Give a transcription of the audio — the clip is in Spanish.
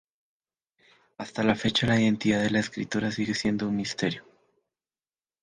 Hasta la fecha la identidad de la escritora sigue siendo un misterio.